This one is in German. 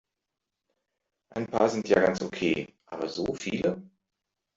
Ein paar sind ja ganz okay, aber so viele?